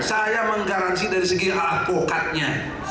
saya menggaransi dari segi alat pokatnya